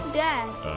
ああ。